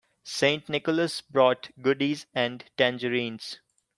St. Nicholas brought goodies and tangerines.